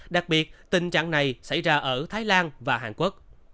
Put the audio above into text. đặc biệt tình trạng này xảy ra ở thái lan và hàn quốc